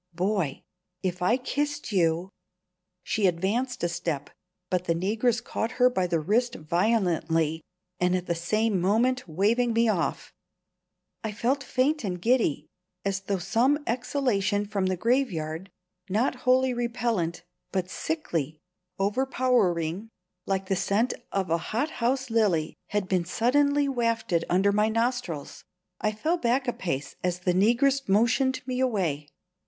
Boy, if I kissed you " She advanced a step, but the negress caught her by the wrist violently, at the same moment waving me off. I felt faint and giddy, as though some exhalation from the graveyard not wholly repellent, but sickly, overpowering, like the scent of a hothouse lily had been suddenly wafted under my nostrils. I fell back a pace as the negress motioned me away.